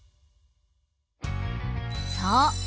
そう。